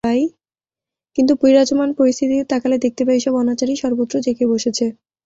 কিন্তু বিরাজমান পরিস্থিতির দিকে তাকালে দেখতে পাই এসব অনাচারই সর্বত্র জেঁকে বসেছে।